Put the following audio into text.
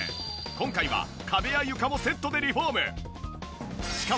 今回は壁や床もセットでリフォーム。